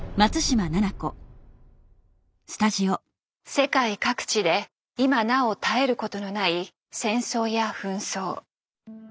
世界各地で今なお絶えることのない戦争や紛争。